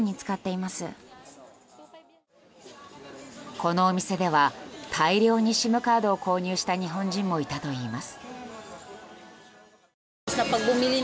このお店では大量にＳＩＭカードを購入した日本人もいたといいます。